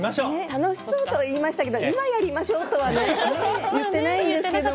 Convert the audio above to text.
楽しそうとは言いましたけれども今やりましょうとは言っていないんですけれど。